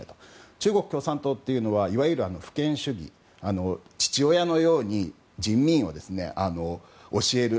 中国共産党というのはいわゆる父権主義父親のように人民を教える。